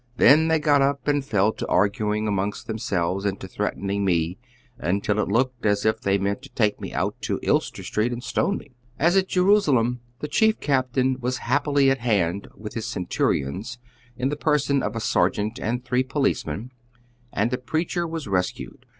Then they got up and fell to arguing among themselves and to threatening n»e, until it looked as if they meant to take me out in Hester Street and stone me." As at Jerusalem, the Chief Captain was happily at hand with his centurions, in the person of a sergeant and three policemen, and the preacher was rescued.